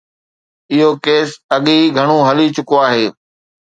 اهو ڪيس اڳي ئي گهڻو هلي چڪو آهي.